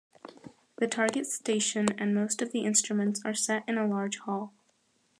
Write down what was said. The target station and most of the instruments are set in a large hall.